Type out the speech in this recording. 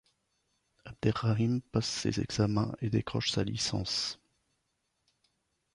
Abderrahim passe ses examens et décroche sa licence.